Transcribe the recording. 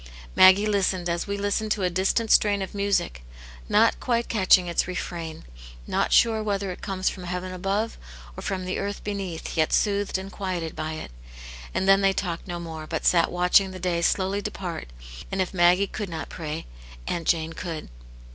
Maggie listened as we listen to a distant strain of music, not quite catching its refrain, not sure whether it comes from heaven above or from the earth be neath, yet soothed and quieted by it. And then they talked no more, but sat watching the day slowly depart, and if Maggie could not pray, Aunt Jane could.